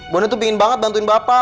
bondan tuh pengen banget bantuin bapak